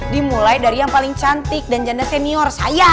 dimulai dari yang paling cantik dan janda senior saya